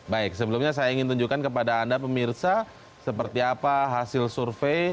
baik sebelumnya saya ingin tunjukkan kepada anda pemirsa seperti apa hasil survei